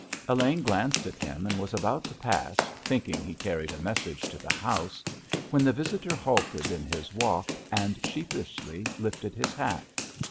Elaine glanced at him and was about to pass, thinking he carried a message to the house, when the visitor halted in his walk and sheepishly lifted his hat.